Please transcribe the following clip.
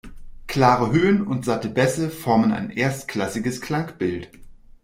Klare Höhen und satte Bässe formen ein erstklassiges Klangbild.